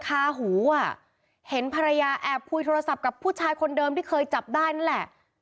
คาหูอ่ะเห็นภรรยาแอบคุยโทรศัพท์กับผู้ชายคนเดิมที่เคยจับได้นั่นแหละ